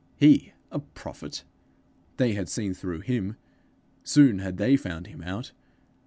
He a prophet! They had seen through him! Soon had they found him out!